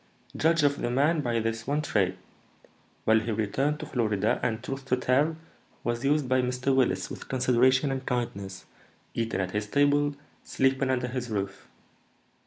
"Judge of the man by this one trait. Well, he returned to Florida, and, truth to tell, was used by Mr. Willis with consideration and kindness, eating at his table, sleeping under his roof.